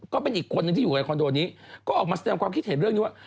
ก็เป็นอีกคนนึงที่อยู่ในคอนโดนี้ก็ออกมาแสดงความคิดเห็นเรื่องนี้ว่า